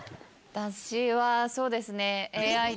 私はそうですね。